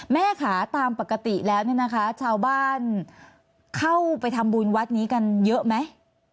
แม่ค่ะตามปกติแล้วเนี่ยนะคะชาวบ้านเข้าไปทำบุญวัดนี้กันเยอะไหม